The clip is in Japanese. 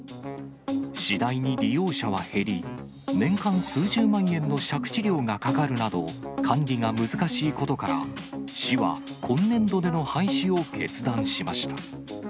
次第に利用者は減り、年間数十万円の借地料がかかるなど、管理が難しいことから、市は、今年度での廃止を決断しました。